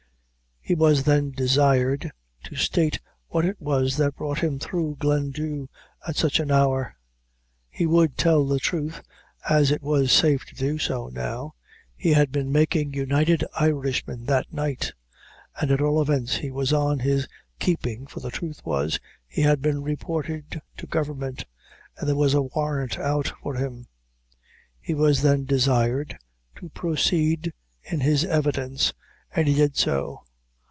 He was then desired to state what it was that brought him through Glendhu at such an hour. He would tell the truth, as it was safe to do so now he had been making United Irishmen that night, and, at all events, he was on his keeping, for the truth was, he had been reported to government, and there was a warrant out for him. He was then desired to proceed in his evidence, and he did so.